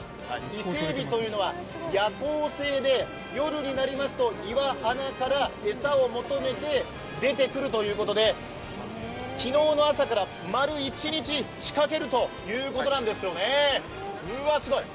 伊勢えびというのは夜行性で夜になりますと岩肌から餌を求めて出てくるということから、昨日の朝から丸一日仕掛けるということですねうわ、すごい。